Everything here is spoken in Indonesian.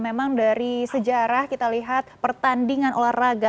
memang dari sejarah kita lihat pertandingan olahraga